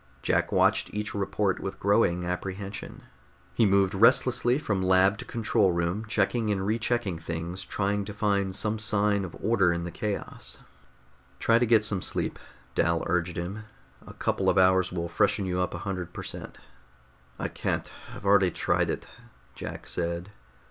Jack watched each report with growing apprehension. He moved restlessly from lab to control room, checking and rechecking things, trying to find some sign of order in the chaos. "Try to get some sleep," Dal urged him. "A couple of hours will freshen you up a hundred per cent." "I can't, I've already tried it," Jack said.